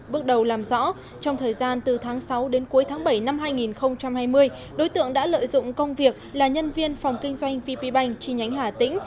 bước đầu làm rõ trong thời gian từ tháng sáu đến cuối tháng bảy năm hai nghìn hai mươi đối tượng đã lợi dụng công việc là nhân viên phòng kinh doanh vp bank chi nhánh hà tĩnh